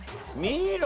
見ろ。